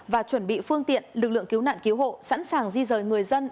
và chuẩn bị phương tiện lực lượng cứu nạn cứu hộ sẵn sàng di rời người dân